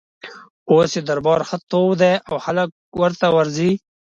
اوس یې دربار ښه تود دی او خلک ورته ورځي.